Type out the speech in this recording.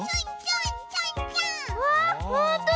ほんとだ！